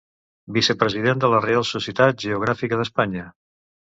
Vicepresident de la Reial Societat Geogràfica d'Espanya.